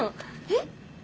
えっ？